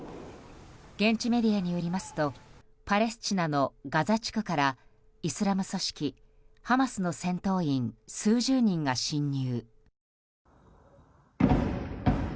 現地メディアによりますとパレスチナのガザ地区からイスラム組織ハマスの戦闘員数十人が侵入。